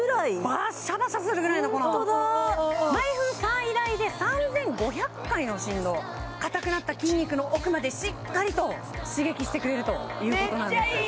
バッシャバシャするぐらいのこの毎分最大で３５００回の振動かたくなった筋肉の奥までしっかりと刺激してくれるということなんです